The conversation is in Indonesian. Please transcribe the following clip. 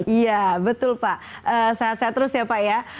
iya betul pak saya terus ya pak ya